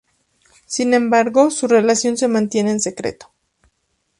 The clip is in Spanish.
Sin embargo, su relación se mantiene en secreto.